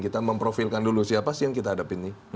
kita memprofilkan dulu siapa sih yang kita hadapi ini